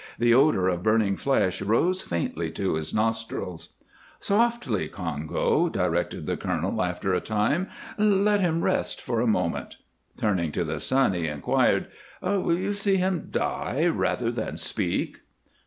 The odor of burning flesh rose faintly to his nostrils. "Softly, Congo," directed the colonel, after a time. "Let him rest for a moment." Turning to the son he inquired, "Will you see him die rather than speak?"